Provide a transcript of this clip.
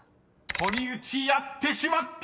［堀内やってしまった！］